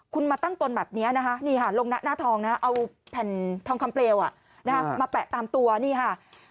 คุณมาตั้งตนแบบนี้นะคะนี่ค่ะลงหน้าทองนะเอาแผ่นทองคำเปลวมาแปะตามตัวนี่ค่ะ